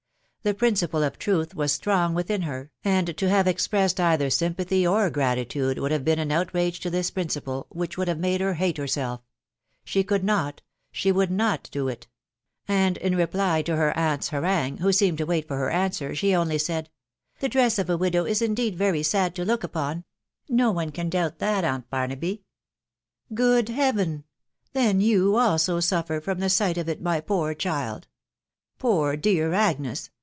The principle of truth was strong within her, and to have expressed either sympathy or gratitude would have been an outrage to this principle, which would have insde her hate herself .... she could not, sue wox&d not do THE WIDOW BABNABY. 105 it ; and in reply to her aunt's harangue, who seemed to wait for her answer, she only said, —" The dress of a widow is indeed very sad to look upon ; no one can doubt that, aunt Barnaby." €S Good Heaven !•.•• then you also suffer from the sight of it, my poor child !.••. Poor dear Agnes